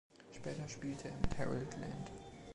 Später spielte er mit Harold Land.